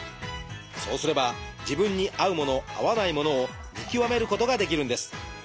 そうすれば自分に合うもの合わないものを見極めることができるんです。